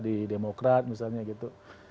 di demokrat misalnya gitu